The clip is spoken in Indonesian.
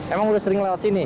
emang udah sering lewat sini